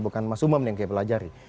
bukan mas umam yang kepelajari